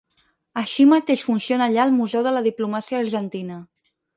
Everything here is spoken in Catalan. Així mateix funciona allà el Museu de la Diplomàcia Argentina.